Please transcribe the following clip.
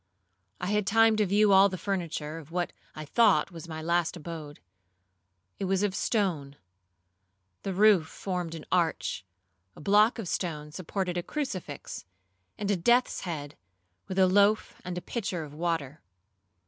I had time to view all the furniture of what I thought my last abode. It was of stone; the roof formed an arch; a block of stone supported a crucifix, and a death's head, with a loaf and a pitcher of water.